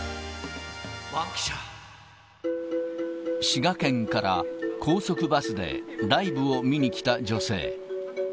滋賀県から高速バスでライブを見に来た女性。